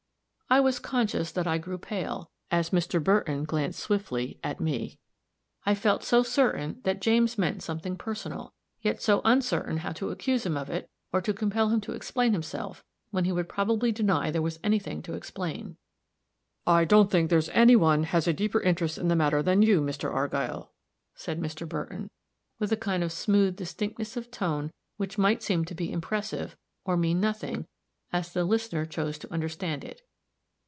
I was conscious that I grew pale, as Mr. Burton glanced swiftly at me, I felt so certain that James meant something personal, yet so uncertain how to accuse him of it, or to compel him to explain himself, when he would probably deny there was any thing to explain. "I don't think there's any one has a deeper interest in the matter than you, Mr. Argyll," said Mr. Burton, with a kind of smooth distinctness of tone which might seem to be impressive, or mean nothing, as the listener chose to understand it.